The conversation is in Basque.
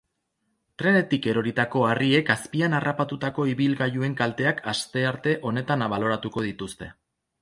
Trenetik eroritako harriek azpian harrapatutako ibilgailuen kalteak astearte honetan baloratuko dituzte.